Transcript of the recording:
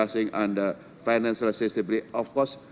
apa yang kita bicarakan di dalam sistem keuangan